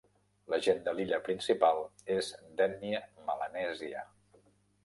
La gent de l'illa principal és d'ètnia melanèsia.